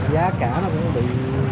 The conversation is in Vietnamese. giá cả nó cũng bị